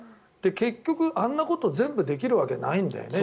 結局、あんなこと全部できるわけないんだよね。